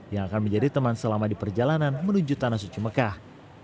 yang akan menjadi teman selama di perjalanan menuju tanah suci mekah